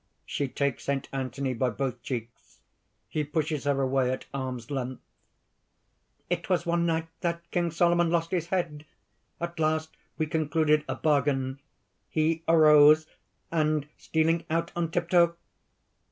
(She takes Saint Anthony by both cheeks. He pushes her away at arms' length.) "It was one night that King Solomon lost his head. At last we concluded a bargain. He arose, and stealing out on tiptoe...."